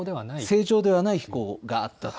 正常ではない飛行があったと。